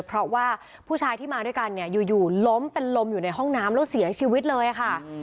เพราะว่าผู้ชายที่มาด้วยกันเนี่ยอยู่ล้มเป็นลมอยู่ในห้องน้ำแล้วเสียชีวิตเลยค่ะ